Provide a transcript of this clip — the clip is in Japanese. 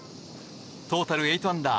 トータル８アンダー。